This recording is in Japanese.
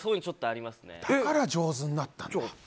だから上手になったんだ。